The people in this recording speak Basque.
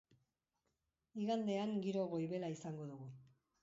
Igandean giro goibela izango dugu.